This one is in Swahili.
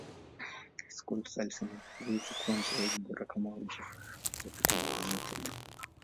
scholes alisema huwezi kuwa mchezaji bora kama hujapita united